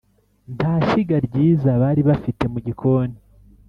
Nta shyiga ryiza bari bafite mu gikoni